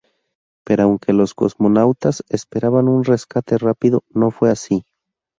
Pero aunque los cosmonautas esperaban un rescate rápido, no fue así.